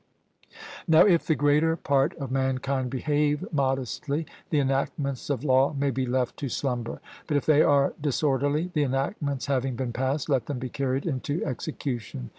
Now, if the greater part of mankind behave modestly, the enactments of law may be left to slumber; but, if they are disorderly, the enactments having been passed, let them be carried into execution.